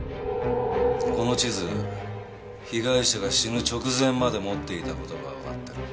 この地図被害者が死ぬ直前まで持っていた事がわかってる。